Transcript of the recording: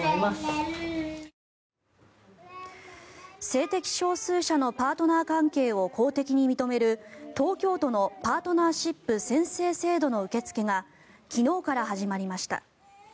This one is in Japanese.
性的少数者のパートナー関係を公的に認める東京都のパートナーシップ宣誓制度の受け付けが昨日から始まりました。